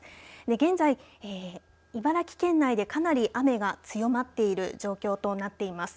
現在、茨城県内でかなり雨が強まっている状況となっています。